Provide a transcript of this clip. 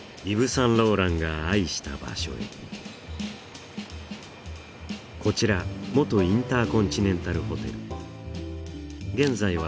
・サンローランが愛した場所へこちら元インターコンチネンタルホテル